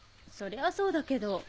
そりゃそうだけど。